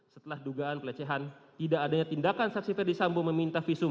setelah dugaan pelecehan tidak adanya tindakan saksi ferdisambo meminta visum